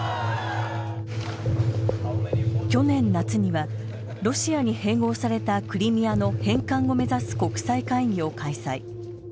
去年夏にはロシアに併合されたクリミアの返還を目指す国際会議を開催。